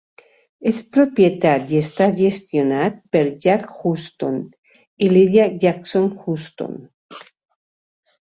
És propietat i està gestionat per Jack Hutton i Linda Jackson-Hutton.